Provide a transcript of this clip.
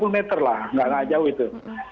tiga puluh meter lah tidak jauh itu